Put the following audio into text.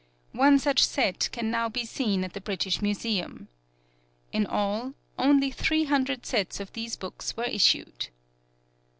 One such set can now be seen at the British Museum. In all, only three hundred sets of these books were issued.